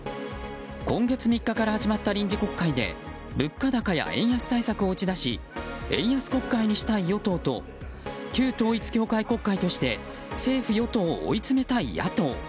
今月３日から始まった臨時国会で物価高や円安対策を打ち出し円安国会にしたい与党と旧統一教会国会として政府・与党を追い詰めたい野党。